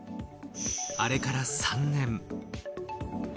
あれから３年。